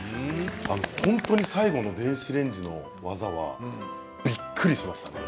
本当に最後の電子レンジの技はびっくりしましたね。